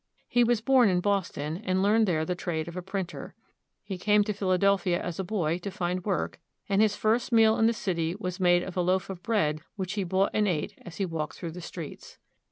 He was born in Boston, and learned there the trade of a printer. He came to Philadelphia as a boy to find work, and his first meal in the city was made of a loaf of bread which he bought and ate as he walked through the streets.